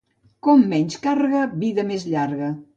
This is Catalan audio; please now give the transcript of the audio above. Com menys càrrega, vida més llarga.